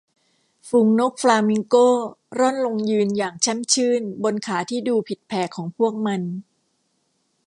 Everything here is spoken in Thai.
ฝูงนกฟลามิงโก้ร่อนลงยืนอย่างแช่มชื่นบนขาที่ดูผิดแผกของพวกมัน